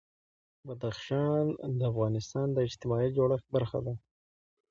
بدخشان د افغانستان د اجتماعي جوړښت برخه ده.